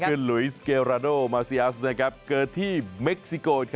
นักคืนลุยสเกอราโดมาเซียสเกิดที่เม็กซิโก